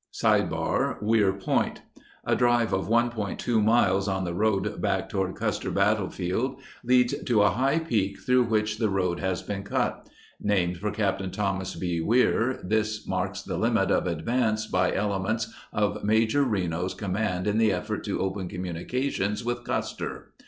O Weir Point A drive of 1.2 miles on the road back toward Custer Bat tlefield leads to a high peak through which the road has been cut. Named for Capt. Thomas B. Weir, this marks the limit of advance by ele ments of Major Reno's com mand in the effort to open communications with Custer.